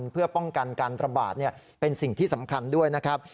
เพื่อป้องกันการระบาดเป็นสิ่งที่สำคัญด้วยนะครับ